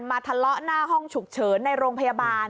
ทะเลาะหน้าห้องฉุกเฉินในโรงพยาบาล